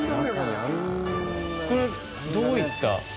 これは、どういった。